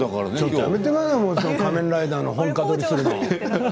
やめてくださいよ仮面ライダーの本歌取りをするの。